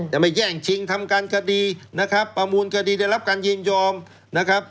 ยังไม่แย่งชิงทำการคดีนะครับประมูลคดีได้รับการยินยอมนะครับ